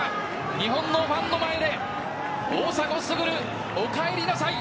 日本のファンの前で大迫傑おかえりなさい。